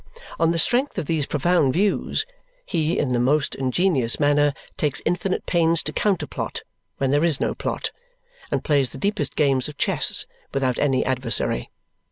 On the strength of these profound views, he in the most ingenious manner takes infinite pains to counterplot when there is no plot, and plays the deepest games of chess without any adversary.